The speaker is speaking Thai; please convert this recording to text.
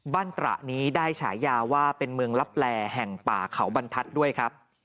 ตระนี้ได้ฉายาว่าเป็นเมืองลับแลแห่งป่าเขาบรรทัศน์ด้วยครับ